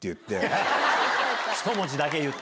ひと文字だけ言って。